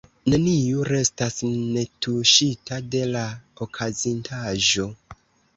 Neniu restas netuŝita de la okazintaĵo.